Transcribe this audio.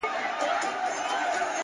د هدف وضاحت ګډوډي ختموي.